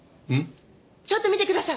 ちょっと見てください！